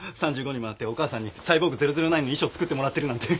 ３５にもなってお母さんに『サイボーグ００９』の衣装を作ってもらってるなんて。